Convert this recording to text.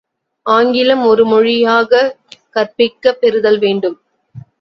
ஆங்கிலம் ஒருமொழியாகக் கற்பிக்கப் பெறுதல் வேண்டும்.